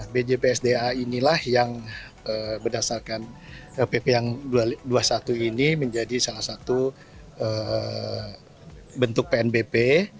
bjpsda inilah yang berdasarkan pp yang dua puluh satu ini menjadi salah satu bentuk pnbp